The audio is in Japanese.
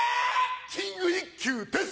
キング一休です！